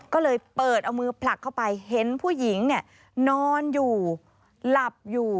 ก็เลยเปิดเอามือผลักเข้าไปเห็นผู้หญิงเนี่ยนอนอยู่หลับอยู่